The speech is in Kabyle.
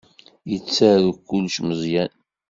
Yettaru kullec Meẓyan.